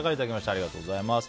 ありがとうございます。